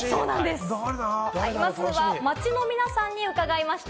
まずは街の皆さんに伺いました。